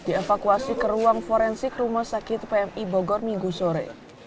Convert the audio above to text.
dievakuasi ke ruang forensik rumah sakit pmi bogor minggu sore